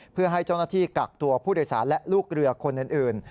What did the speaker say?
เพื่อให้เจ้าหน้าที่กักตัวผู้โดยสารและลูกเรือคนอื่น